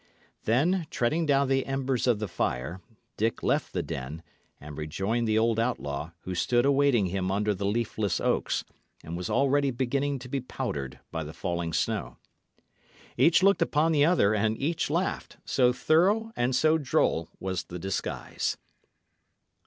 Then, treading down the embers of the fire, Dick left the den, and rejoined the old outlaw, who stood awaiting him under the leafless oaks, and was already beginning to be powdered by the falling snow. Each looked upon the other, and each laughed, so thorough and so droll was the disguise.